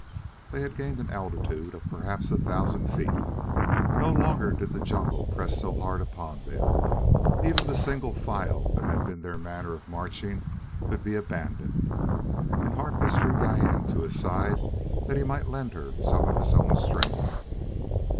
They had gained an altitude of perhaps a thousand feet. No longer did the jungle press so hard upon them. Even the single file that had been their manner of marching could be abandoned, and Harkness drew Diane to his side that he might lend her some of his own strength.